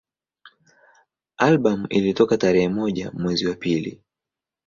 Albamu ilitoka tarehe moja mwezi wa pili